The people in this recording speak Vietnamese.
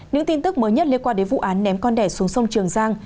những tin tức mới nhất liên quan đến vụ án ném con đẻ xuống sông trường giang